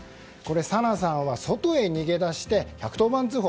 紗菜さんは外へ逃げ出して１１０番通報。